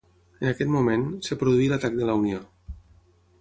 En aquest moment, es produí l'atac de la Unió.